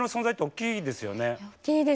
大きいですよね。